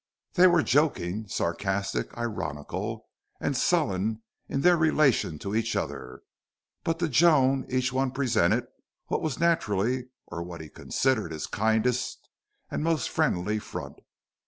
They were joking, sarcastic, ironical, and sullen in their relation to each other; but to Joan each one presented what was naturally or what he considered his kindest and most friendly front.